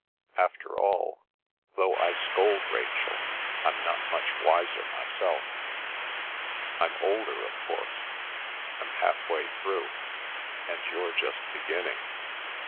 "After all, though I scold Rachel, I'm not much wiser myself. I'm older, of course, I'm half way through, and you're just beginning.